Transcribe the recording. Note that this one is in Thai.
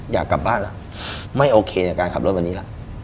อยากกลับบ้านล่ะไม่โอเคในการขับรถวันนี้ล่ะ